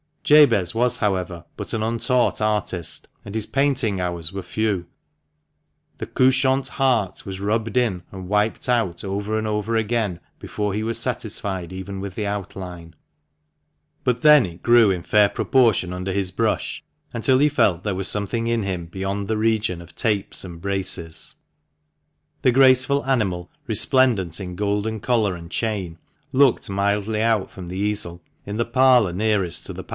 Jabez was, however, but an untaught artist, and his painting hours were few; the couchant hart was rubbed in and wiped out over and over again before he was satisfied even with the outline ; but then it grew in fair proportion under his brush, until he felt there was something in him beyond the region of tapes and braces. The graceful animal, resplendent in golden collar and chain, looked mildly out from the easel in the parlour nearest to the 33° THE MANCHESTER MAN.